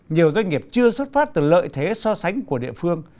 nhiều doanh nghiệp chưa xuất phát từ lợi thế so sánh của địa phương